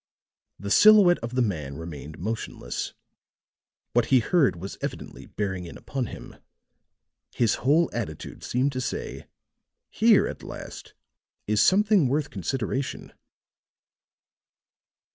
The silhouette of the man remained motionless; what he heard was evidently bearing in upon him; his whole attitude seemed to say: "Here at last is something worth consideration."